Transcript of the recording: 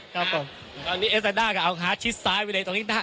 ตอนนี้เอสตาด้ากับอัลคาฮาสชิดซ้ายไปเลยตรงนี้